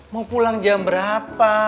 mau pulang jam berapa